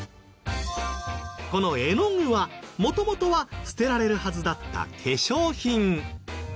この絵の具は元々は捨てられるはずだった化粧品。